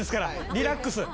リラックス。